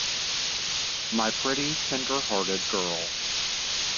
My pretty, tender-hearted girl!